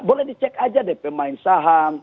boleh dicek aja deh pemain saham